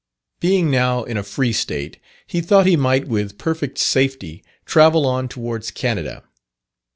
Being now in a free state, he thought he might with perfect safety travel on towards Canada.